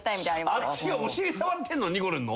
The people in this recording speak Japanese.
あっちがお尻触ってんの？にこるんの？